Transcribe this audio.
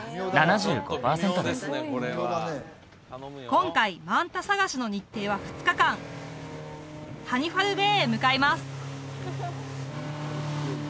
今回マンタ探しの日程は２日間ハニファルベイへ向かいます